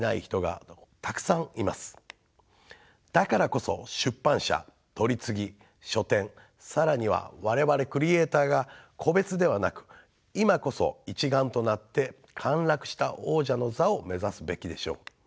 だからこそ出版社取次書店更には我々クリエーターが個別ではなく今こそ一丸となって陥落した王者の座を目指すべきでしょう。